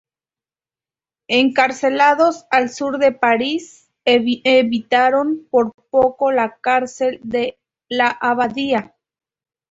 Encarcelados al sur de París, evitaron por poco la cárcel de la Abadía.